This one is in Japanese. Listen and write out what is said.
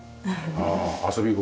遊び心。